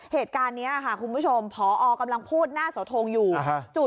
เหตุการณ์นี้ค่ะคุณผู้ชมพอกำลังพูดหน้าเสาทงอยู่